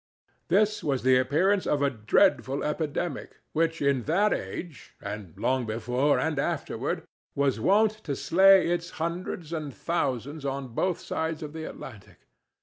This was the appearance of a dreadful epidemic which in that age, and long before and afterward, was wont to slay its hundreds and thousands on both sides of the Atlantic.